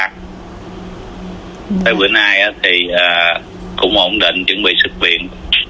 tới bữa nay thì cũng ổn định chuẩn bị sức viện